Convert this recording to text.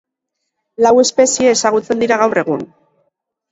Lau espezie ezagutzen dira gaur egun.